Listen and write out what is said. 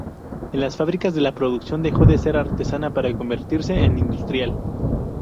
En las fábricas la producción dejó de ser artesana para convertirse en industrial.